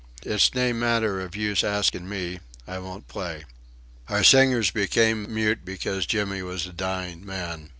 It's nae manner of use asking me. I won't play." Our singers became mute because Jimmy was a dying man.